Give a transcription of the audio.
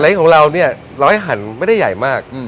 แต่เล้งของเราเนี่ยเราให้หันไม่ได้ใหญ่มาก